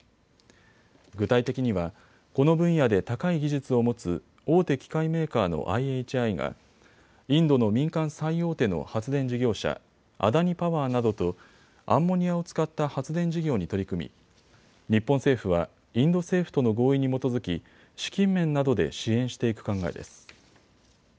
具体的にはこの分野で高い技術を持つ大手機械メーカーのＩＨＩがインドの民間最大手の発電事業者、アダニ・パワーなどとアンモニアを使った発電事業に取り組み日本政府はインド政府との合意に基づき資金面などで支援していく考えです。